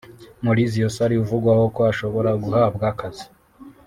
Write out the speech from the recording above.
Mauricio Sarri uvugwaho ko ashobora guhabwa akazi